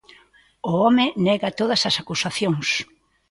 O home nega todas as acusacións.